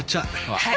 はい。